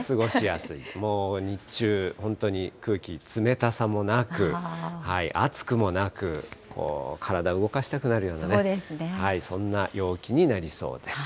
もう日中、本当に空気、冷たさもなく、暑くもなく、こう、体動かしたくなるようなね、そんな陽気になりそうです。